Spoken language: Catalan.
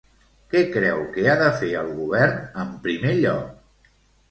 Què creu que ha de fer el govern en primer lloc?